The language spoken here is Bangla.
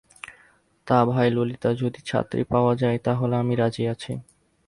তা ভাই ললিতা, যদি ছাত্রী পাওয়া যায় তা হলে আমি রাজি আছি।